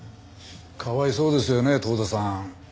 かわいそうですよね遠田さん。